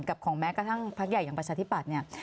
กับของแม็กซ์กระทั่งพักใหญ่อย่างประชาธิบัตร